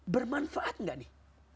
bermanfaat gak nih